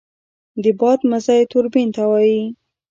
د باد مزی توربین تاووي.